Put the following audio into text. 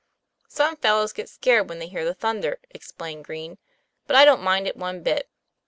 ;' Some fellows get scared when they hear the thunder," explained Green; 'but I don't mind it one bit."